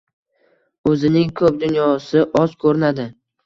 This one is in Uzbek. O’zining ko’p dunyosi oz ko’rinadi.